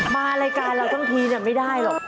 มารายการเราทั้งทีไม่ได้หรอก